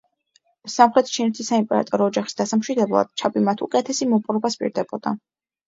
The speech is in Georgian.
სამხრეთ ჩინეთის საიმპერატორო ოჯახის დასამშვიდებლად, ჩაბი მათ უკეთესი მოპყრობას პირდებოდა.